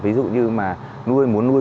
ví dụ như mà nuôi muốn nuôi